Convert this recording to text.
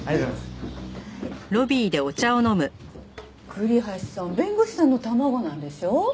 栗橋さん弁護士さんの卵なんでしょ。